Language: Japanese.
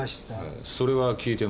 それは聞いてます。